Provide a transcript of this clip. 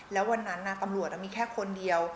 แล้ววันนั้นตำรวจมีแค่คนเดียว